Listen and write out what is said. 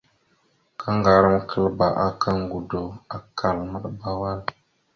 Kaŋgarəkaləba aka ŋgədo, akkal, maɗəba wal.